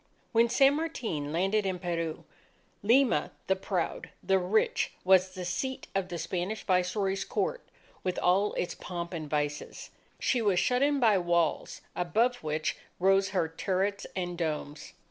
When San Martin landed in Peru, Lima the proud, the rich, was the seat of the Spanish Viceroy's Court with all its pomp and vices. She was shut in by walls above which rose her turrets and domes.